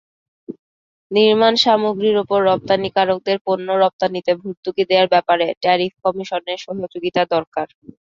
নির্মাণসামগ্রীর ওপর রপ্তানিকারকদের পণ্য রপ্তানিতে ভর্তুকি দেওয়ার ব্যাপারে ট্যারিফ কমিশনের সহযোগিতা দরকার।